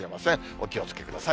お気をつけください。